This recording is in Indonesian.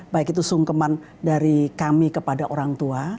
baik itu sungkeman dari kami kepada orang tua